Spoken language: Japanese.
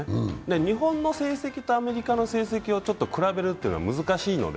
日本の成績とアメリカの成績を比べるというのは難しいので。